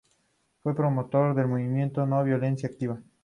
Fue promotor del movimento de no-violencia activa.